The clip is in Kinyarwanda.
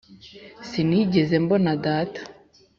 sinigeze mbona data,